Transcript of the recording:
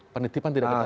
penitipan tidak ketara